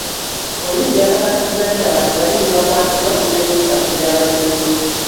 Poliisi yakakasizza nti abantu babiri baakwatiddwa ku byekuusa ku byabaddewo.